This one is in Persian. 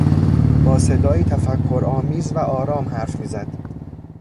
با صدایی تفکر آمیز و آرام حرف می زد.